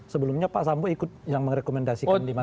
sebelumnya pak sambu ikut yang merekomendasikan di mana mana